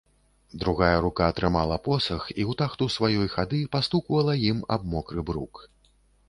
Другая рука трымала посах і ў тахту сваёй хады пастуквала ім аб мокры брук.